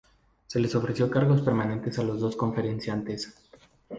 Se les ofreció cargos permanentes a los dos conferenciantes.